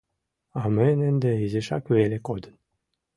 А мыйын ынде изишак веле кодын.